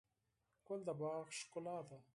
ګل د باغ ښکلا ده.